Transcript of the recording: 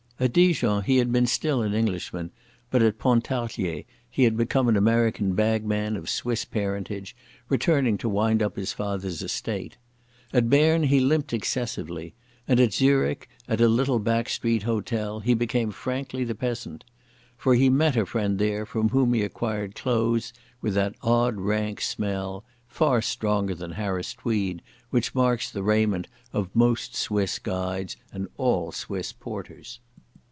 At Dijon he had been still an Englishman, but at Pontarlier he had become an American bagman of Swiss parentage, returning to wind up his father's estate. At Berne he limped excessively, and at Zurich, at a little back street hotel, he became frankly the peasant. For he met a friend there from whom he acquired clothes with that odd rank smell, far stronger than Harris tweed, which marks the raiment of most Swiss guides and all Swiss porters.